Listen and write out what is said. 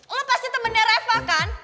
oh pasti temennya reva kan